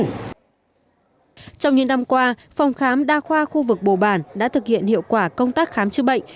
trong những năm qua phòng khám đa khoa khu vực bồ bản đã thực hiện hiệu quả công tác khám chữa bệnh